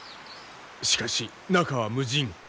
しかし中は無人。